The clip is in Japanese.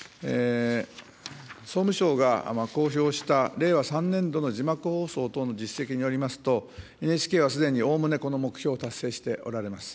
総務省が公表した令和３年度の字幕放送等の実績によりますと、ＮＨＫはすでに、おおむねこの目標を達成しておられます。